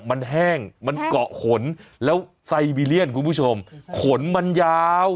มันแห้งมันเกาะขนแล้วไซบีเรียนคุณผู้ชมขนมันยาว